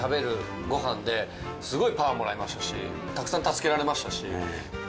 試合前に食べるご飯ですごいパワーもらえましたし、たくさん助けられました。